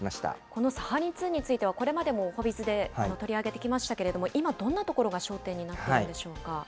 このサハリン２については、これまでもおはＢｉｚで取り上げてきましたけれども、今、どんなところが焦点になっているんでし